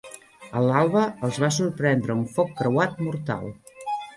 A l'alba els va sorprendre un foc creuat mortal.